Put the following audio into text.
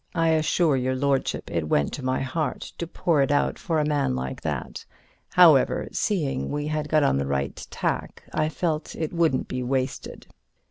I assure your lordship it went to my heart to pour it out for a man like that. However, seeing we had got on the right tack, I felt it wouldn't be wasted.